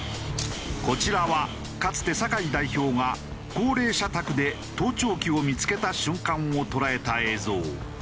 こちらはかつて酒井代表が高齢者宅で盗聴器を見付けた瞬間を捉えた映像。